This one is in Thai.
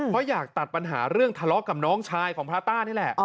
เพราะอยากตัดปัญหาเรื่องทะเลาะกับน้องชายของพระต้านี่แหละ